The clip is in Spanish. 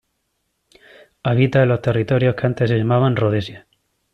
Habita en los territorios que antes se llamaban Rodesia.